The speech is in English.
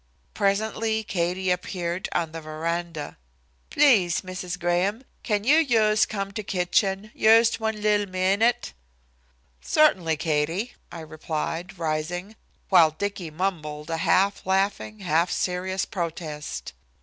Presently Katie appeared on the veranda. "Plees, Missis Graham, can you joost coom to kitchen, joost one little meenit." "Certainly, Katie," I replied, rising, while Dicky mumbled a half laughing, half serious protest.